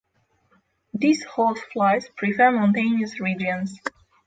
These horse flies prefer mountainous regions.